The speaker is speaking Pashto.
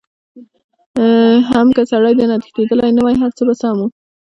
حم که سړی درنه تښتېدلی نه وای هرڅه به سم وو.